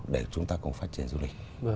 để chúng ta cùng phát triển du lịch